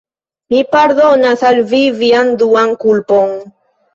Mi pardonas al vi vian duan kulpon.